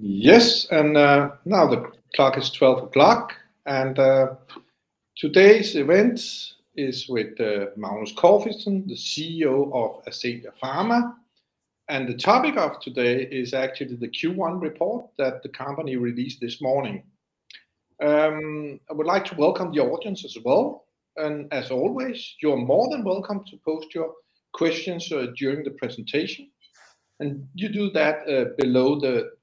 Yes. Now the clock is 12:00 P.M., today's event is with Magnus Corfitzen, the CEO of Ascelia Pharma. The topic of today is actually the Q1 report that the company released this morning. I would like to welcome the audience as well. As always, you're more than welcome to post your questions during the presentation, and you do that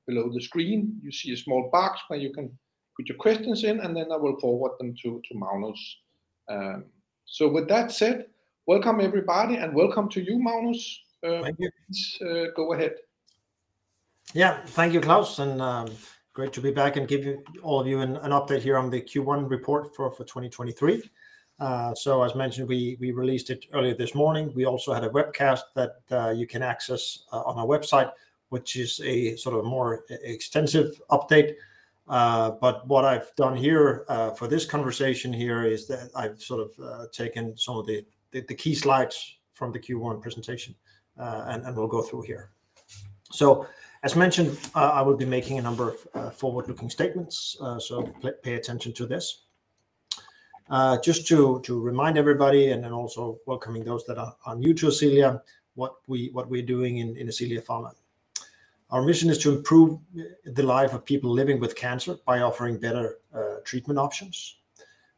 below the screen. You see a small box where you can put your questions in, and then I will forward them to Magnus. With that said, welcome everybody, and welcome to you, Magnus. Thank you. Please, go ahead. Yeah. Thank you, Claus, great to be back and give all of you an update here on the Q1 report for 2023. As mentioned, we released it earlier this morning. We also had a webcast that you can access on our website, which is a sort of more extensive update. What I've done here, for this conversation here is that I've sort of taken some of the key slides from the Q1 presentation, and we'll go through here. As mentioned, I will be making a number of forward-looking statements, pay attention to this. Just to remind everybody also welcoming those that are new to Ascelia, what we're doing in Ascelia Pharma. Our mission is to improve the life of people living with cancer by offering better treatment options.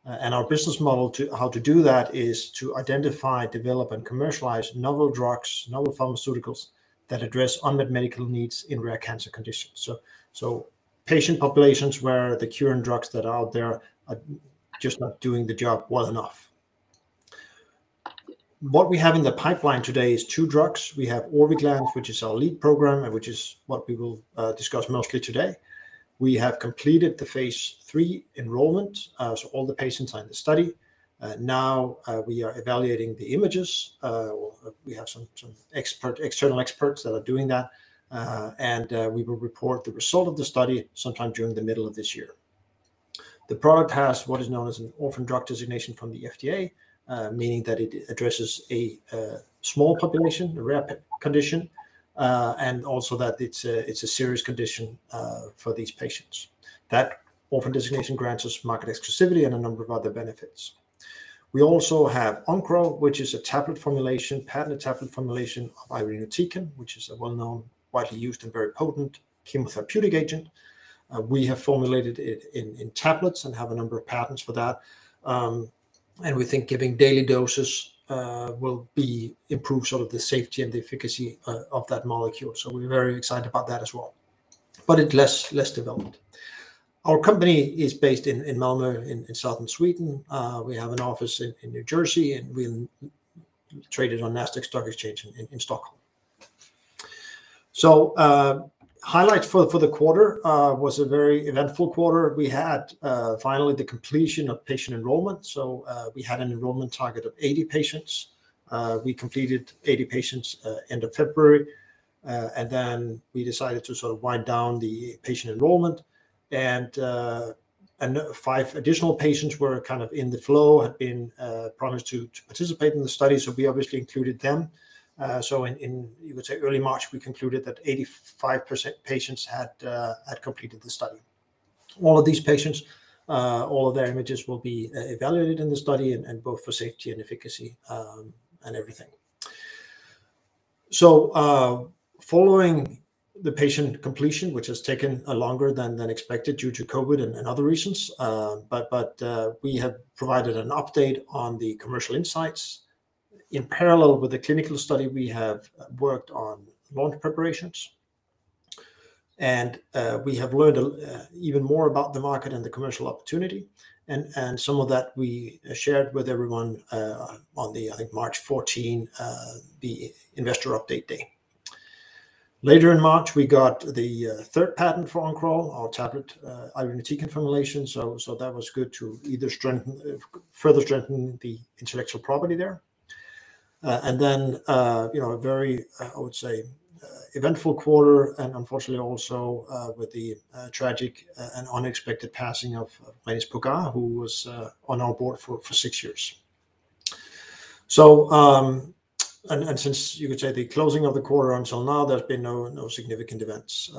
And our business model how to do that is to identify, develop, and commercialize novel drugs, novel pharmaceuticals that address unmet medical needs in rare cancer conditions, patient populations where the cure and drugs that are out there are just not doing the job well enough. What we have in the pipeline today is two drugs. We have Orviglance, which is our lead program, and which is what we will discuss mostly today. We have completed the Phase 3 enrollment, so all the patients are in the study. Now, we are evaluating the images. We have some expert-external experts that are doing that, and we will report the result of the study sometime during the middle of this year. The product has what is known as an Orphan Drug Designation from the FDA, meaning that it addresses a small population, a rare condition, and also that it's a serious condition for these patients. That orphan designation grants us market exclusivity and a number of other benefits. We also have Oncoral, which is a tablet formulation, patented tablet formulation of irinotecan, which is a well-known, widely used and very potent chemotherapeutic agent. We have formulated it in tablets and have a number of patents for that. We think giving daily doses improve sort of the safety and the efficacy of that molecule. We're very excited about that as well, but it's less developed. Our company is based in Malmö in southern Sweden. We have an office in New Jersey, and we're traded on Nasdaq Stockholm in Stockholm. Highlights for the quarter, was a very eventful quarter. We had, finally the completion of patient enrollment. We had an enrollment target of 80 patients. We completed 80 patients, end of February, and then we decided to sort of wind down the patient enrollment. 5 additional patients were kind of in the flow, had been, promised to participate in the study, so we obviously included them. In, in, you would say early March, we concluded that 85% patients had, completed the study. All of these patients, all of their images will be, evaluated in the study and both for safety and efficacy, and everything. Following the patient completion, which has taken longer than expected due to COVID and other reasons, but we have provided an update on the commercial insights. In parallel with the clinical study, we have worked on launch preparations, and we have learned even more about the market and the commercial opportunity and some of that we shared with everyone on the March 14, the investor update day. Later in March, we got the third patent for Oncoral, our tablet, irinotecan formulation. That was good to further strengthen the intellectual property there. , a very, I would say, eventful quarter and unfortunately also with the tragic and unexpected passing of René Spogárd, who was on our board for 6 years. Since you could say the closing of the quarter until now, there's been no significant events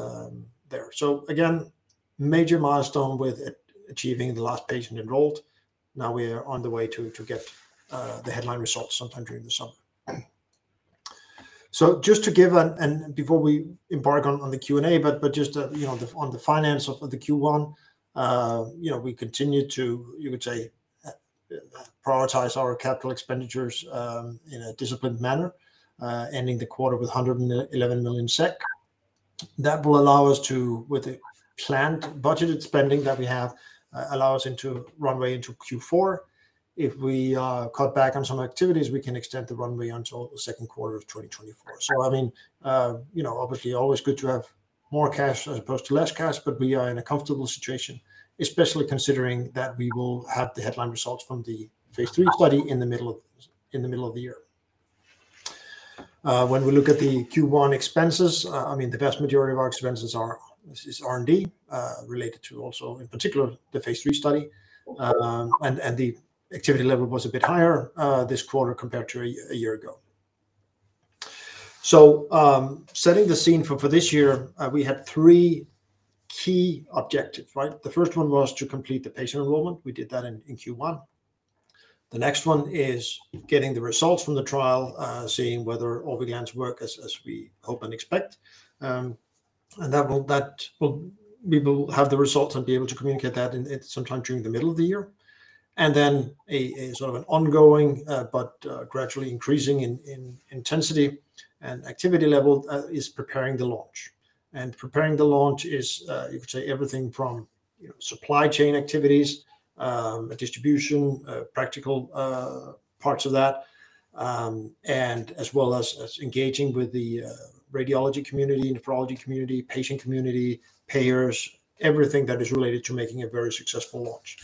there. Again, major milestone with achieving the last patient enrolled. Now we are on the way to get the headline results sometime during the summer. Just before we embark on the Q&A, but just on the finance of the q1 we continue to, you could say, prioritize our capital expenditures in a disciplined manner, ending the quarter with 111 million SEK. That will allow us to, with the planned budgeted spending that we have, allow us into runway into Q4. If we cut back on some activities, we can extend the runway until the 2nd quarter of 2024. I mean obviously always good to have more cash as opposed to less cash, but we are in a comfortable situation, especially considering that we will have the headline results from the Phase 3 study in the middle of the year. When we look at the Q1 expenses, I mean, the vast majority of our expenses are, is R&D related to also, in particular the Phase 3 study. And the activity level was a bit higher this quarter compared to a year ago. Setting the scene for this year, we had three key objectives, right? The first one was to complete the patient enrollment. We did that in Q1. The next one is getting the results from the trial, seeing whether Orviglance work as we hope and expect. That will we will have the results and be able to communicate that in, at some time during the middle of the year. Then a sort of an ongoing, but gradually increasing in intensity and activity level, is preparing the launch. Preparing the launch is, you could say everything from supply chain activities, distribution, practical parts of that, as well as engaging with the radiology community, nephrology community, patient community, payers, everything that is related to making a very successful launch.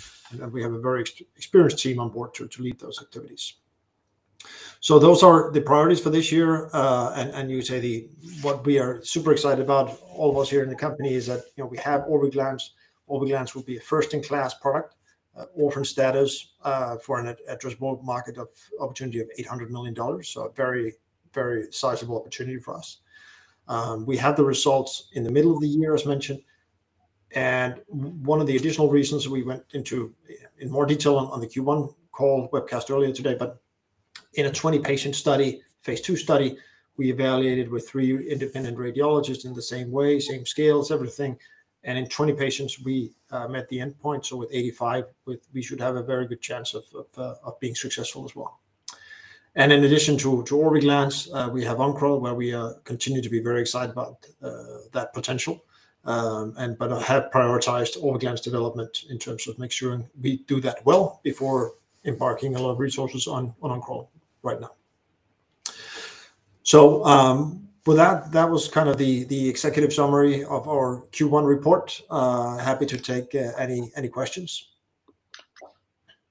We have a very experienced team on board to lead those activities. Those are the priorities for this year. You would say what we are super excited about, all of us here in the company, is that we have Orviglance. Orviglance will be a first-in-class product, orphan status, for an addressable market of opportunity of $800 million. A very, very sizable opportunity for us. We have the results in the middle of the year, as mentioned, and one of the additional reasons we went into in more detail on the Q1 call webcast earlier today, but in a 20-patient study, phase II study, we evaluated with three independent radiologists in the same way, same scales, everything. In 20 patients we met the endpoint. With 85, we should have a very good chance of being successful as well. In addition to Orviglance, we have Oncoral where we continue to be very excited about that potential. Have prioritized Orviglance development in terms of making sure we do that well before embarking a lot of resources on Oncoral right now. With that was kind of the executive summary of our Q1 report. Happy to take any questions.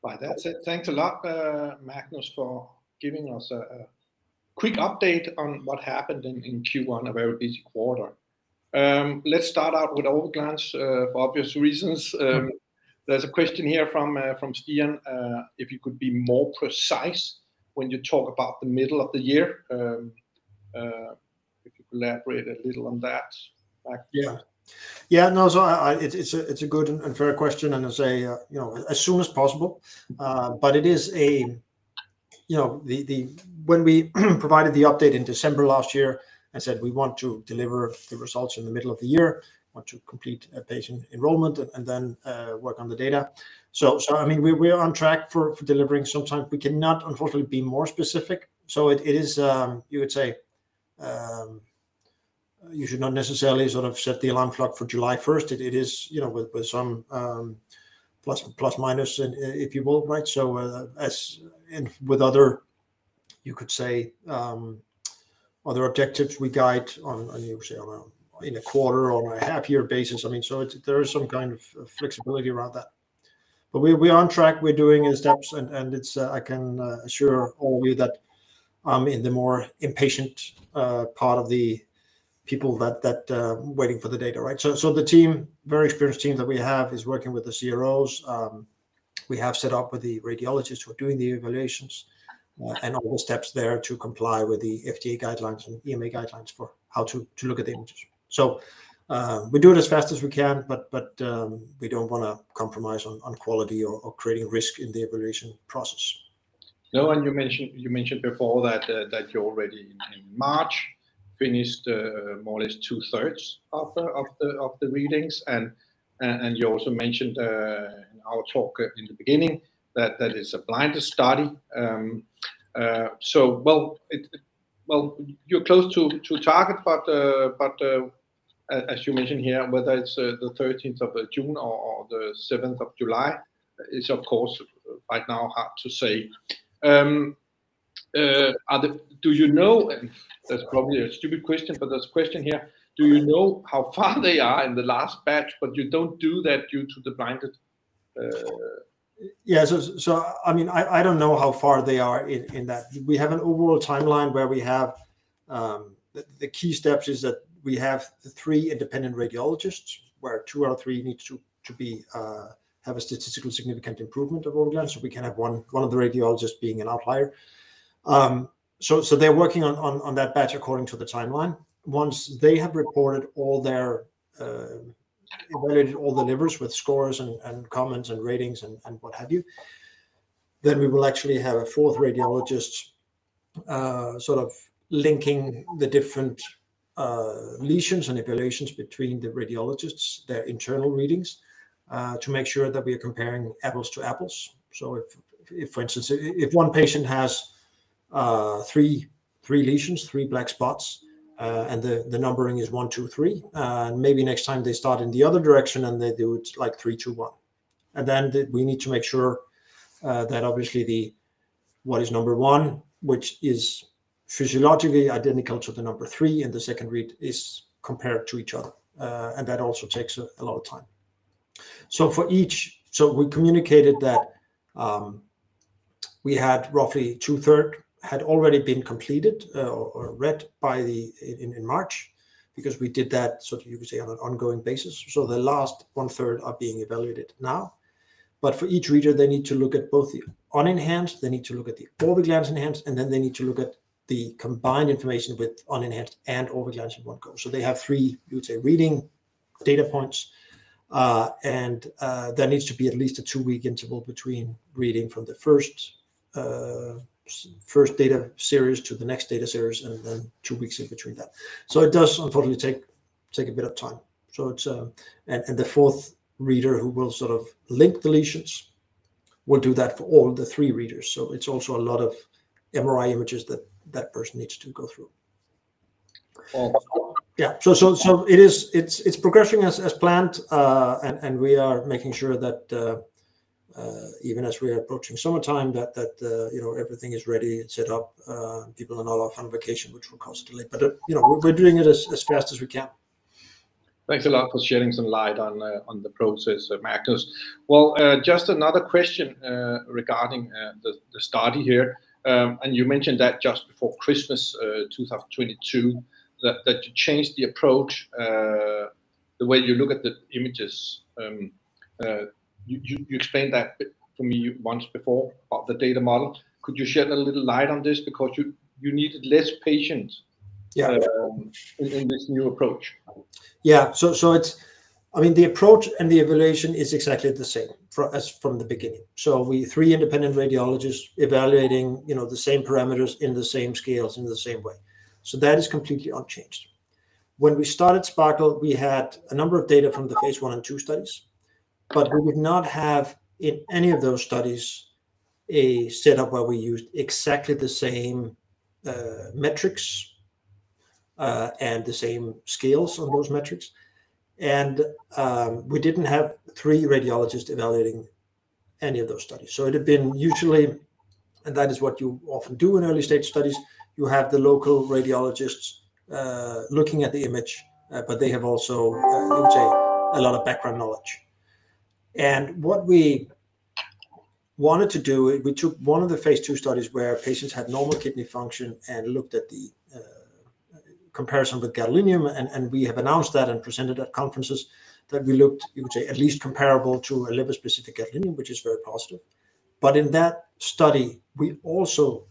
Right. That's it. Thanks a lot, Magnus, for giving us a quick update on what happened in Q1, a very busy quarter. Let's start out with Orviglance for obvious reasons. There's a question here from Stian, if you could be more precise when you talk about the middle of the year. If you could elaborate a little on that, Magnus. Yeah. Yeah, no, so I, it's a good and fair question, I say as soon as possible. It is a when we provided the update in December last year and said we want to deliver the results in the middle of the year, want to complete a patient enrollment and then work on the data. I mean, we are on track for delivering sometimes. We cannot, unfortunately, be more specific. It is, you would say, you should not necessarily sort of set the alarm clock for July 1st. It is with some plus minus, if you will, right? As and with other could say, other objectives we guide on, you would say, on a quarter, on a half-year basis. I mean, it's, there is some kind of flexibility around that. We are on track. We're doing the steps and it's, I can assure all of you that in the more impatient part of the people waiting for the data, right? The team, very experienced team that we have is working with the CROs. We have set up with the radiologists who are doing the evaluations and all the steps there to comply with the FDA guidelines and EMA guidelines for how to look at the images. We do it as fast as we can, but, we don't wanna compromise on quality or creating risk in the evaluation process. No. You mentioned before that you already in March finished more or less two-thirds of the readings. You also mentioned in our talk in the beginning that it's a blinded study. Well, you're close to target, but as you mentioned here, whether it's the 13th of June or the 7th of July is of course right now hard to say. Do, and that's probably a stupid question, but there's a question here. Do how far they are in the last batch, but you don't do that due to the blinded? Yeah. I mean, I don't know how far they are in that. We have an overall timeline where we have the key steps is that we have the 3 independent radiologists, where 2 out of 3 needs to be have a statistical significant improvement of Orviglance. We can't have one of the radiologists being an outlier. They're working on that batch according to the timeline. Once they have reported all their evaluated all the livers with scores and comments and ratings and what have you, then we will actually have a 4th radiologist sort of linking the different lesions and evaluations between the radiologists, their internal readings to make sure that we are comparing apples to apples. If for instance, if one patient has three lesions, three black spots, and the numbering is one, two, three, and maybe next time they start in the other direction and they do it like three, two, one. We need to make sure that obviously the what is number one, which is physiologically identical to the number three, and the second read is compared to each other. That also takes a lot of time. For each... We communicated that we had roughly two-third had already been completed, or read in March because we did that, sort of you could say on an ongoing basis. The last one-third are being evaluated now. For each reader, they need to look at both the unenhanced, they need to look at the Orviglance enhanced, and then they need to look at the combined information with unenhanced and Orviglance in one go. They have 3, you would say, reading data points. There needs to be at least a 2-week interval between reading from the first data series to the next data series, and then 2 weeks in between that. It does unfortunately take a bit of time. It's. The 4th reader who will sort of link deletions will do that for all the 3 readers. It's also a lot of MRI images that that person needs to go through. And- Yeah. It is, it's progressing as planned. We are making sure that, even as we are approaching summertime that everything is ready and set up. People are not off on vacation, which will constantly..., we're doing it as fast as we can. Thanks a lot for shedding some light on on the process, Magnus. Well, just another question regarding the study here. You mentioned that just before Christmas, 2022, that you changed the approach, the way you look at the images. You explained that for me once before of the data model. Could you shed a little light on this because you needed less patients... Yeah... in this new approach? I mean, the approach and the evaluation is exactly the same as from the beginning. We three independent radiologists evaluating the same parameters in the same scales in the same way. That is completely unchanged. When we started SPARKLE, we had a number of data from the phase I and 2 studies, we would not have in any of those studies a setup where we used exactly the same metrics and the same scales on those metrics. We didn't have three radiologists evaluating any of those studies. It had been usually, and that is what you often do in early stage studies, you have the local radiologists looking at the image, but they have also let me say a lot of background knowledge. What we wanted to do, we took one of the Phase II studies where patients had normal kidney function and looked at the comparison with gadolinium. We have announced that and presented at conferences that we looked, you could say at least comparable to a liver-specific gadolinium, which is very positive. In that study, we also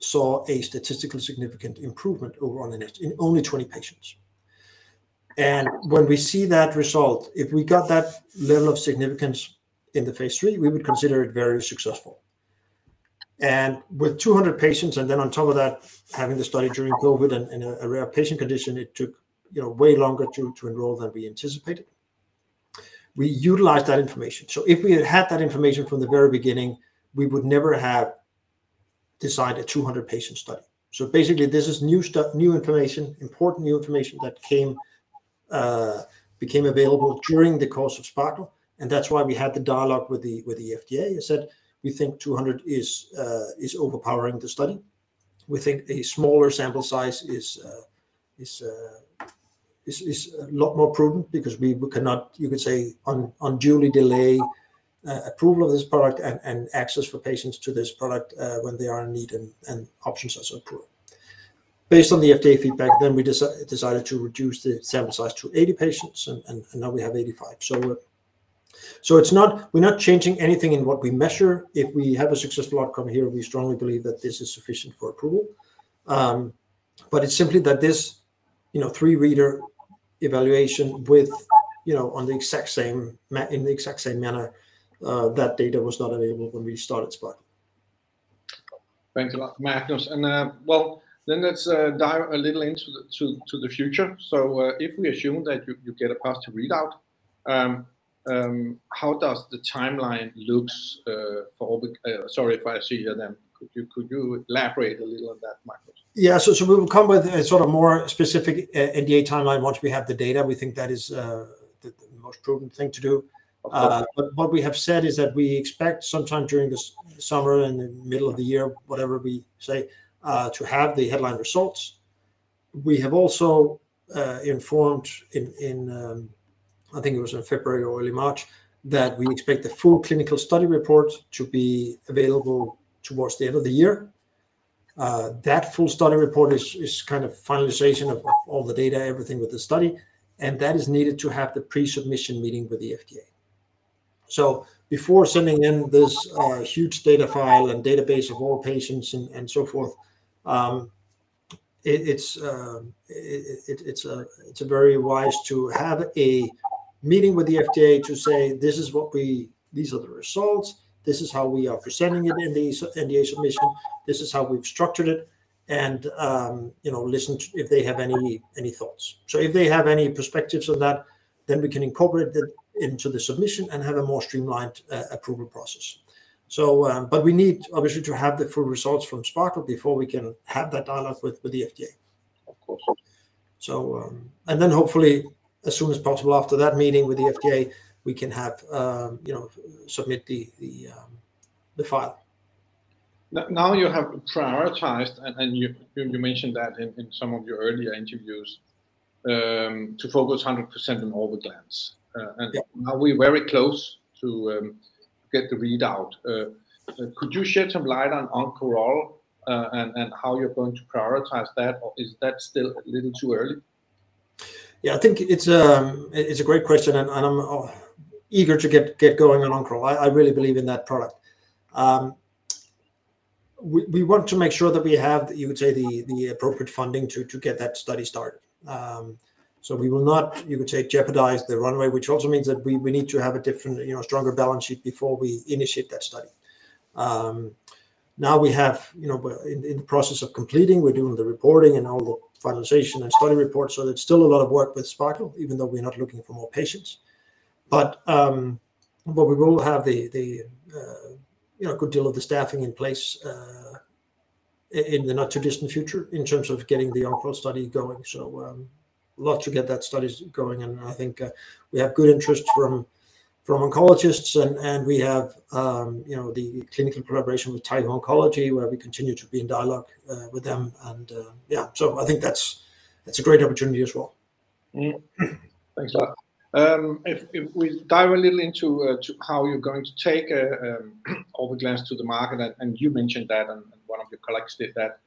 saw a statistically significant improvement over on the next in only 20 patients. When we see that result, if we got that level of significance in the Phase 3, we would consider it very successful. With 200 patients, and then on top of that, having the study during COVID and a rare patient condition, it took way longer to enroll than we anticipated. We utilized that information. If we had had that information from the very beginning, we would never have designed a 200-patient study. Basically, this is new stuff, new information, important new information that came, became available during the course of SPARKLE, and that's why we had the dialogue with the FDA and said, "We think 200 is overpowering the study. We think a smaller sample size is a lot more prudent because we cannot, you could say, unduly delay approval of this product and access for patients to this product when they are in need and options are so approved." Based on the FDA feedback then we decided to reduce the sample size to 80 patients, and now we have 85. We're not changing anything in what we measure. If we have a successful outcome here, we strongly believe that this is sufficient for approval. It's simply that this 3 reader evaluation with on the exact same in the exact same manner, that data was not available when we started SPARKLE. Thanks a lot, Magnus. Well, then let's dive a little into the future. If we assume that you get a positive readout, how does the timeline looks for Orv- sorry if I see you then? Could you elaborate a little on that, Magnus? Yeah. We will come with a sort of more specific e-NDA timeline once we have the data. We think that is the most prudent thing to do. Okay. What we have said is that we expect sometime during this summer, in the middle of the year, whatever we say, to have the headline results. We have also informed in, I think it was in February or early March, that we expect the full Clinical Study Report to be available towards the end of the year. That full Clinical Study Report is kind of finalization of all the data, everything with the study, and that is needed to have the pre-submission meeting with the FDA. Before sending in this huge data file and database of all patients and so forth, it's very wise to have a meeting with the FDA to say, "These are the results. This is how we are presenting it in the NDA submission. This is how we've structured it., listen to if they have any thoughts. if they have any perspectives on that, then we can incorporate that into the submission and have a more streamlined approval process. but we need obviously to have the full results from SPARKLE before we can have that dialogue with the FDA. Of course. Hopefully as soon as possible after that meeting with the FDA, we can have submit the file. Now you have prioritized, and you mentioned that in some of your earlier interviews, to focus 100% on Orviglance. Yeah... are we very close to get the readout? Could you shed some light on Oncoral, and how you're going to prioritize that, or is that still a little too early? Yeah, I think it's a great question and I'm eager to get going on Oncoral. I really believe in that product. We want to make sure that we have, you would say, the appropriate funding to get that study started. We will not, you could say, jeopardize the runway, which also means that we need to have a different stronger balance sheet before we initiate that study. Now we have in the process of completing, we're doing the reporting and all the finalization and study reports. There's still a lot of work with SPARKLE, even though we're not looking for more patients. We will have the good deal of the staffing in place in the not too distant future in terms of getting the Oncoral study going. Lot to get that study going, and I think we have good interest from oncologists and we have the clinical collaboration with Taiho Oncology, where we continue to be in dialogue with them. Yeah, I think that's a great opportunity as well. Yeah. Thanks a lot. If we dive a little into how you're going to take Orviglance to the market, and you mentioned that, and one of your colleagues did that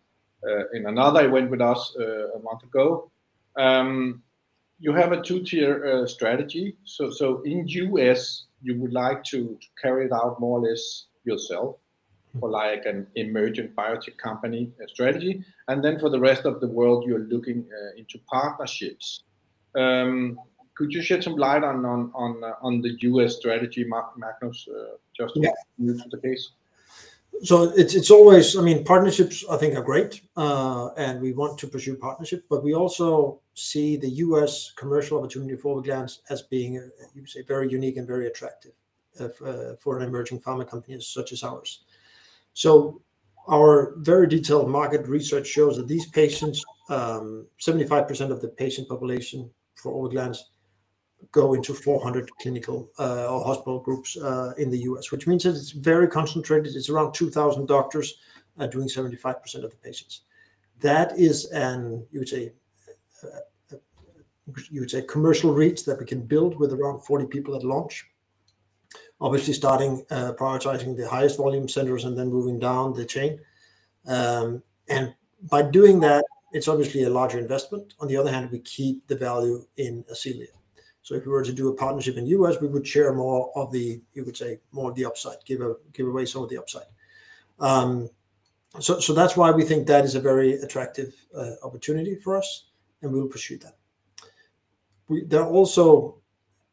in another event with us a month ago. You have a two-tier strategy. In U.S. you would like to carry it out more or less yourself- Mm-hmm... for like an emerging biotech company, strategy. Then for the rest of the world, you're looking into partnerships. Could you shed some light on the U.S. strategy, Magnus? Yeah... to introduce the case? It's always... I mean, partnerships I think are great, and we want to pursue partnership, but we also see the U.S. commercial opportunity for Orviglance as being, you could say, very unique and very attractive for an emerging pharma company such as ours. Our very detailed market research shows that these patients, 75% of the patient population for Orviglance go into 400 clinical or hospital groups in the U.S., which means that it's very concentrated. It's around 2,000 doctors doing 75% of the patients. That is an, you would say, commercial reach that we can build with around 40 people at launch, obviously starting prioritizing the highest volume centers and then moving down the chain. By doing that, it's obviously a larger investment. On the other hand, we keep the value in Ascelia. If we were to do a partnership in U.S., we would share more of the, you could say, more of the upside, give away some of the upside. That's why we think that is a very attractive opportunity for us, and we'll pursue that. There are also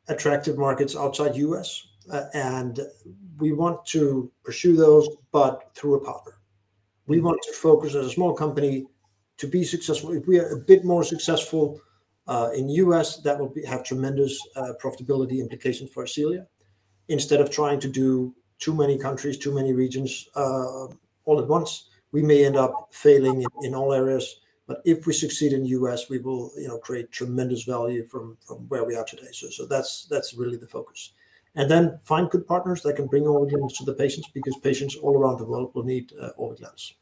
attractive markets outside U.S., and we want to pursue those, but through a partner. Mm-hmm. We want to focus as a small company to be successful. If we are a bit more successful in U.S., that will have tremendous profitability implications for Ascelia. Instead of trying to do too many countries, too many regions, all at once, we may end up failing in all areas. If we succeed in U.S., we will create tremendous value from where we are today. That's really the focus. Then find good partners that can bring Orviglance to the patients, because patients all around the world will need Orviglance.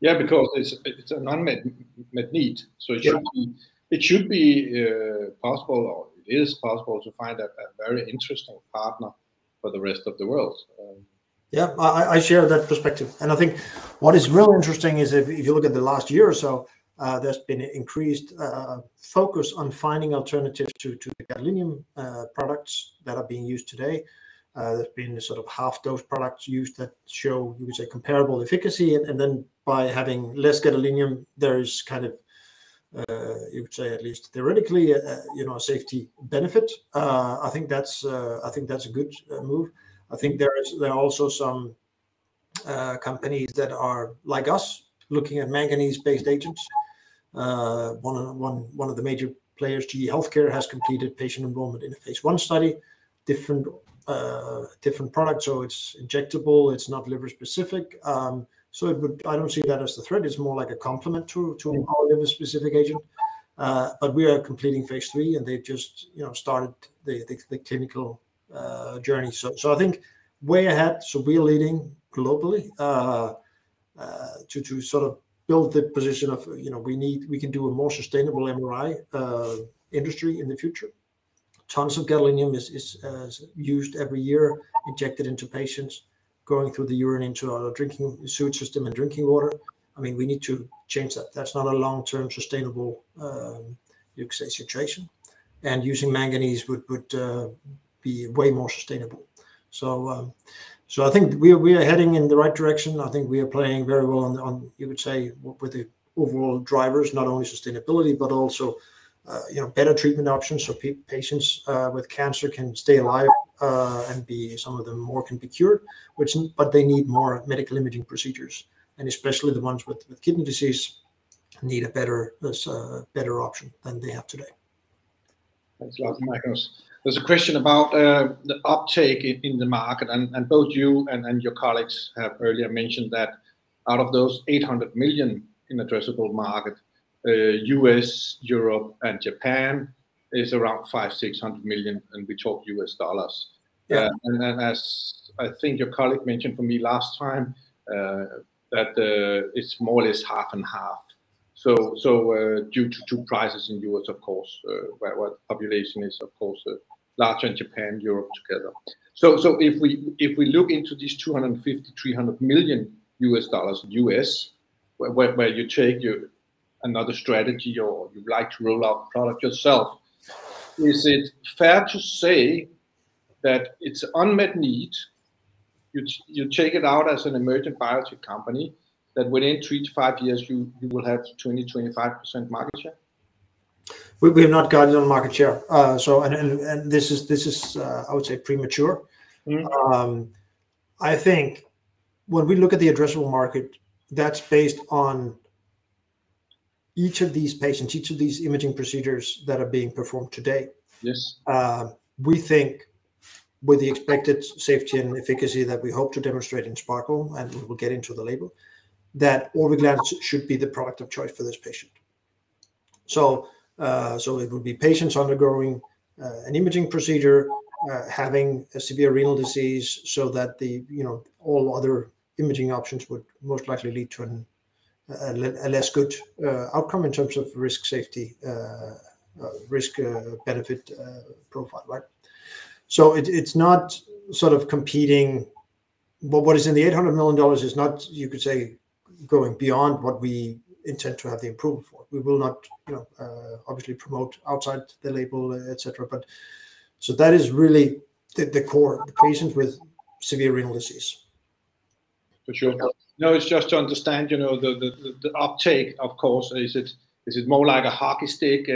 Yeah, because it's an unmet need. Yeah. It should be possible or it is possible to find a very interesting partner for the rest of the world. Yeah. I share that perspective, I think what is really interesting is if you look at the last year or so, there's been increased focus on finding alternatives to the gadolinium products that are being used today. There's been sort of half dose products used that show, you could say, comparable efficacy. Then by having less gadolinium, there is kind of, you could say at least theoretically a safety benefit. I think that's, I think that's a good move. I think there are also some companies that are like us looking at manganese-based agents. One of the major players, GE HealthCare, has completed patient enrollment in a Phase I study. Different product, it's injectable, it's not liver specific. I don't see that as a threat. It's more like a complement to. Mm-hmm... our liver specific agent. We are completing Phase 3, and they've just started the clinical journey. I think way ahead, we are leading globally to sort of build the position of we can do a more sustainable MRI industry in the future. Tons of gadolinium is used every year, injected into patients, going through the urine into our drinking sewage system and drinking water. I mean, we need to change that. That's not a long-term sustainable, you could say, situation. Using manganese would be way more sustainable. I think we are heading in the right direction. I think we are playing very well on, you would say, with the overall drivers, not only sustainability, but also better treatment options so patients with cancer can stay alive and be some of them more can be cured. They need more medical imaging procedures, and especially the ones with kidney disease need a better option than they have today. Thanks a lot, Magnus. There's a question about the uptake in the market, and both you and your colleagues have earlier mentioned that out of those $800 million in addressable market, U.S., Europe, and Japan is around $500 million-$600 million, and we talk US dollars. Yeah. as I think your colleague mentioned for me last time, that it's more or less half and half. Due to two prices in U.S. of course, where the population is of course larger in Japan, Europe together. If we look into these $250 million-$300 million in U.S. where you take your another strategy or you'd like to roll out product yourself, is it fair to say that it's unmet need, which you take it out as an emerging biotech company that within 3-5 years you will have 20%-25% market share? We have not gotten on market share. This is I would say premature. Mm. I think when we look at the addressable market, that's based on each of these patients, each of these imaging procedures that are being performed today. Yes. We think with the expected safety and efficacy that we hope to demonstrate in SPARKLE, and we'll get into the label, that Orviglance should be the product of choice for this patient. It would be patients undergoing an imaging procedure, having a severe renal disease so that the all other imaging options would most likely lead to a less good outcome in terms of risk safety, risk benefit profile, right? It's not sort of competing... What is in the $800 million is not, you could say, going beyond what we intend to have the approval for. We will not obviously promote outside the label, et cetera. That is really the core, the patients with severe renal disease. No, it's just to understand the uptake, of course. Is it, is it more like a hockey stick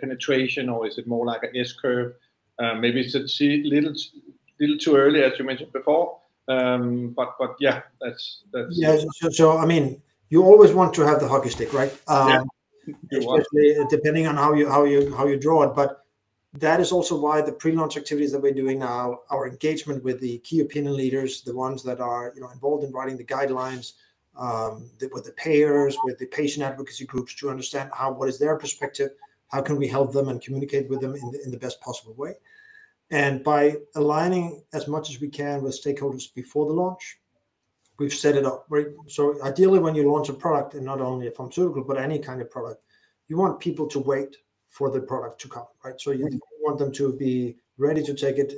penetration, or is it more like a S curve? Maybe it's a little too early, as you mentioned before. But yeah, that's. Yeah. I mean, you always want to have the hockey stick, right? Yeah. You want. Especially depending on how you draw it. That is also why the pre-launch activities that we're doing now, our engagement with the key opinion leaders, the ones that are involved in writing the guidelines, with the payers, with the patient advocacy groups to understand what is their perspective, how can we help them and communicate with them in the best possible way. By aligning as much as we can with stakeholders before the launch, we've set it up very. Ideally, when you launch a product, and not only a pharmaceutical, but any kind of product, you want people to wait for the product to come, right? Yeah. You want them to be ready to take it,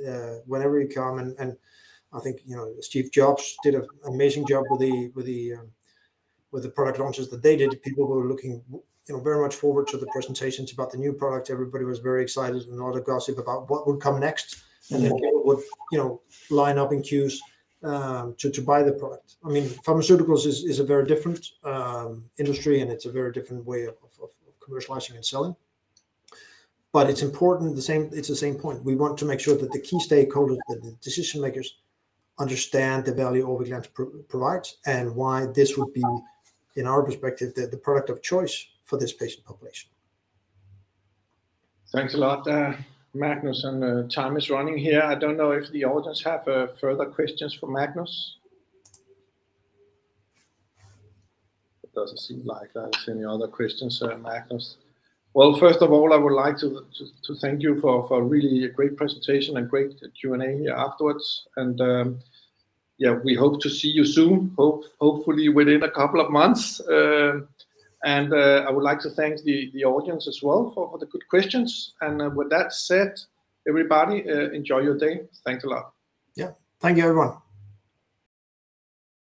whenever you come. I think Steve Jobs did a amazing job with the product launches that they did. People were looking very much forward to the presentations about the new product. Everybody was very excited and all the gossip about what would come next. Mm-hmm... and then people would line up in queues to buy the product. I mean, pharmaceuticals is a very different industry, and it's a very different way of commercializing and selling. It's important it's the same point. We want to make sure that the key stakeholders, that the decision makers understand the value Orviglance provides and why this would be, in our perspective, the product of choice for this patient population. Thanks a lot there, Magnus. Time is running here. I don't know if the audience have further questions for Magnus. It doesn't seem like there is any other questions, Magnus. Well, first of all, I would like to thank you for a really great presentation and great Q&A afterwards. Yeah, we hope to see you soon, hopefully within a couple of months. I would like to thank the audience as well for the good questions. With that said, everybody, enjoy your day. Thanks a lot. Yeah. Thank you everyone.